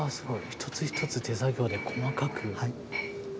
一つ一つ手作業で細かく。